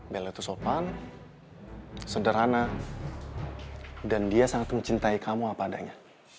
bella itu sopan sederhana dan dia sangat mencintai kamu apa adanya